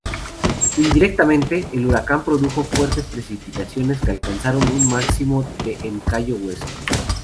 Indirectamente, el huracán produjo fuertes precipitaciones que alcanzaron un máximo de en Cayo Hueso.